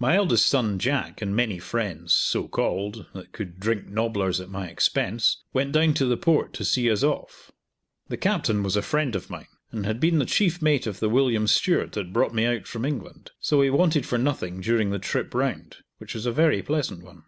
My eldest son, Jack, and many friends, so called, that could drink nobblers at my expense, went down to the Port to see us off. The captain was a friend of mine, and had been the chief mate of the "William Stuart" that brought me out from England, so we wanted for nothing during the trip round, which was a very pleasant one.